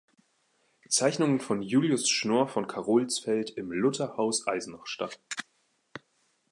Zeichnungen von Julius Schnorr von Carolsfeld“ im Lutherhaus Eisenach statt.